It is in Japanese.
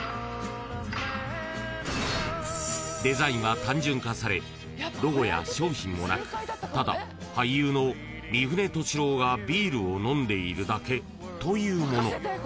［デザインは単純化されロゴや商品もなくただ俳優の三船敏郎がビールを飲んでいるだけというもの］